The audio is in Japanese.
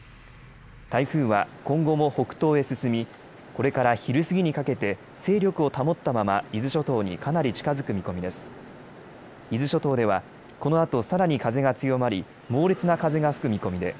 台風は今後も北東へ進み、これから昼過ぎにかけて勢力を保ったまま伊豆諸島にかなり近づく見込みです。